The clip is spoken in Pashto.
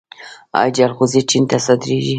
آیا جلغوزي چین ته صادریږي؟